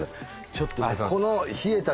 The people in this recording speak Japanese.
ちょっとね